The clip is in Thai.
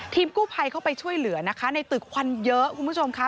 กู้ภัยเข้าไปช่วยเหลือนะคะในตึกควันเยอะคุณผู้ชมค่ะ